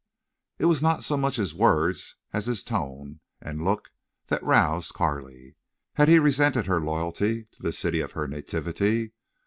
It was not so much his words as his tone and look that roused Carley. Had he resented her loyalty to the city of her nativity?